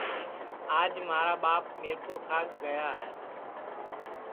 آج مھارا ٻاپ میرپُورکاس گیا ہے